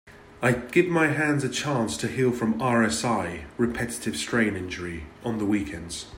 I give my hands a chance to heal from RSI (Repetitive Strain Injury) on the weekends.